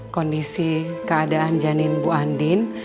kondisi keadaan janin bu andin